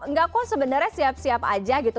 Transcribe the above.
enggak kok sebenarnya siap siap aja gitu